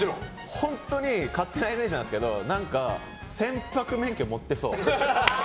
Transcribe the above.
本当に勝手なイメージなんですけど船舶免許を持ってそう。